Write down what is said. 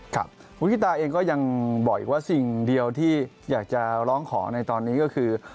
ครับคุณกิตตาเองก็ยังบอกอีกว่าสิ่งเดียวที่อยากจะร้องขอในตอนนี้ก็คือ